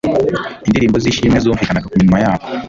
Indirimbo z'ishimwe zumvikanaga ku minwa yabo